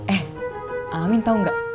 eh amin tau nggak